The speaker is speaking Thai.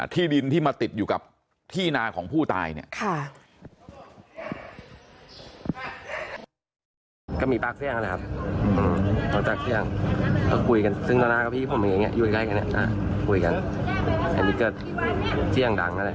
ที่ดินที่มาติดอยู่กับที่นาของผู้ตายเนี่ย